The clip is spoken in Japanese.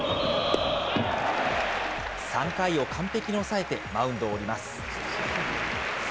３回を完璧に抑えてマウンドを降ります。